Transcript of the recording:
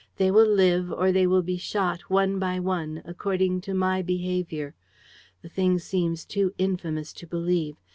They will live, or they will be shot, one by one, according to my behavior. ... The thing seems too infamous to believe.